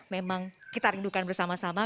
memang kita rindukan bersama sama